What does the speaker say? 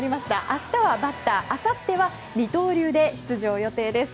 明日はバッターあさっては二刀流で出場予定です。